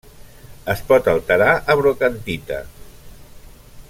Es pot alterar a brochantita.